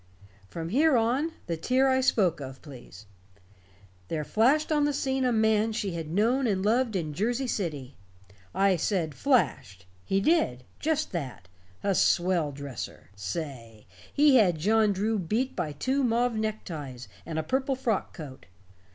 "From here on the tear I spoke of, please. There flashed on the scene a man she had known and loved in Jersey City. I said flashed. He did just that. A swell dresser say, he had John Drew beat by two mauve neckties and a purple frock coat.